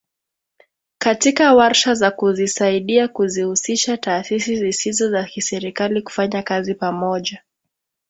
Katika warsha za kuzisaidia kuzihusisha taasisi zisizo za kiserikali kufanya kazi pamoja